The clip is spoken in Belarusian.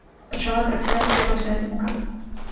Пачала працаваць цвярозая думка.